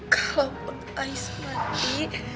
kalaupun ais mati